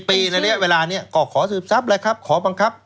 ปีในระยะเวลานี้ก็ขอสืบทรัพย์แล้วครับขอบังคับ